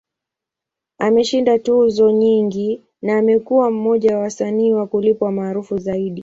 Ameshinda tuzo nyingi, na amekuwa mmoja wa wasanii wa kulipwa maarufu zaidi.